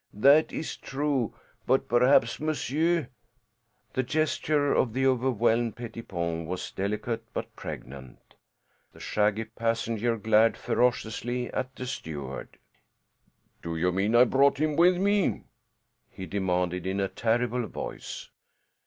That is true. But perhaps monsieur " The gesture of the overwhelmed Pettipon was delicate but pregnant. The shaggy passenger glared ferociously at the steward. "Do you mean I brought him with me?" he demanded in a terrible voice.